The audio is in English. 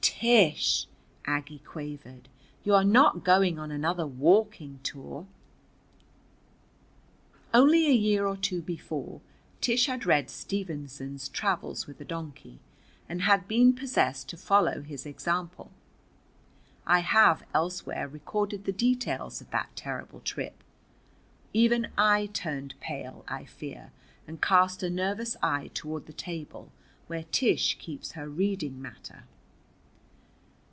"Tish!" Aggie quavered. "You are not going on another walking tour?" Only a year or two before Tish had read Stevenson's "Travels with a Donkey," and had been possessed to follow his example. I have elsewhere recorded the details of that terrible trip. Even I turned pale, I fear, and cast a nervous eye toward the table where Tish keeps her reading matter.